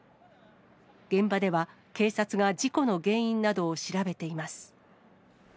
現場では警察が事故の原因などを調べています。